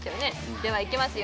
ではいきますよ